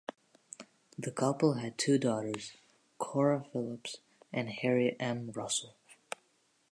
The couple had two daughters, Cora Phillips and Harriet M. Russell.